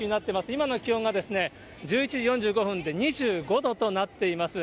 今の気温が１１時４５分で２５度となっています。